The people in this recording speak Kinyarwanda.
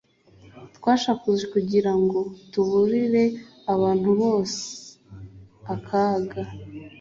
twasakuje kugira ngo tuburire abantu bose akaga